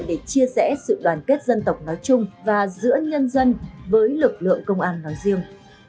để chia sẻ sự đoàn kết dân tộc nói chung và giữa nhân dân với lực lượng công an nói riêng